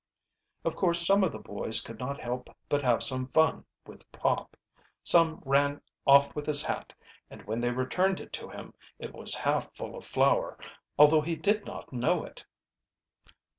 Of course some of the boys could not help but have some fun with Pop. Some ran off with his hat, and when they returned it to him it was half full of flour, although he did not know it.